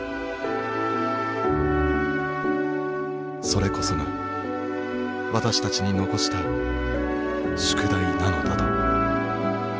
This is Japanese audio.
それこそが私たちに残した宿題なのだと。